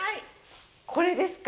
これですか？